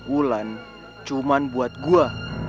ulan cuman buat gua